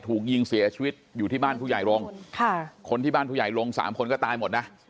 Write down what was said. ถูกยิงเสียชีวิตอยู่ที่บ้านผู้ใหญ่ลงค่ะคนที่บ้านผู้ใหญ่ลงสามคนก็ตายหมดนะ